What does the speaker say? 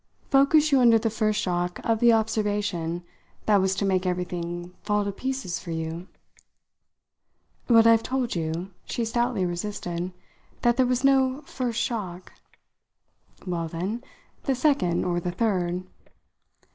Focus you under the first shock of the observation that was to make everything fall to pieces for you." "But I've told you," she stoutly resisted, "that there was no 'first' shock." "Well, then, the second or the third."